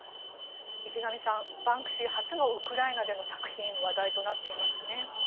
池上さん、バンクシー初のウクライナでの作品話題となっていますね。